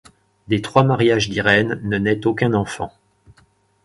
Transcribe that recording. Des trois mariages d'Irène ne naît aucun enfant.